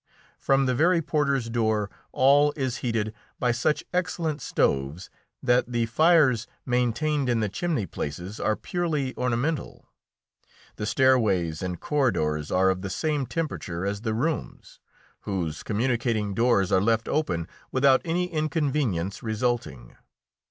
From the very porter's door all is heated by such excellent stoves that the fires maintained in the chimney places are purely ornamental. The stairways and corridors are of the same temperature as the rooms, whose communicating doors are left open without any inconvenience resulting.